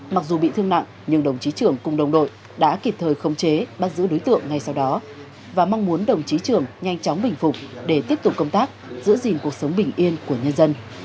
mặc dù bị thương nặng nhưng đồng chí trưởng cùng đồng đội đã kịp thời khống chế bắt giữ đối tượng ngay sau đó và mong muốn đồng chí trưởng nhanh chóng bình phục để tiếp tục công tác giữ gìn cuộc sống bình yên của nhân dân